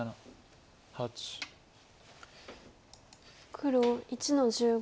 黒１の十五。